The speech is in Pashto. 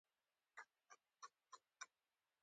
هغه پیغام کابل ته رسولی وو.